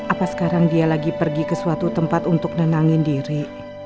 apa sekarang dia lagi pergi ke suatu tempat untuk nenangin diri